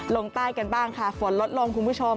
ลงใต้กันบ้างค่ะฝนลดลงคุณผู้ชม